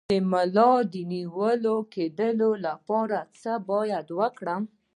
د ملا د نیول کیدو لپاره باید څه وکړم؟